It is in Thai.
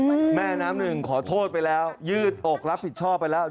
แม่น้ำหนึ่งขอโทษไปแล้วยืดอกรับผิดชอบไปแล้ว